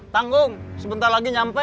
tanggung sebentar lagi nyampe